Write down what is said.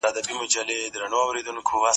سړی کولای شي اوس ارام وکړي.